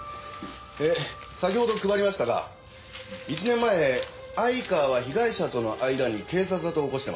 で先ほど配りましたが１年前相川は被害者との間に警察沙汰を起こしてます。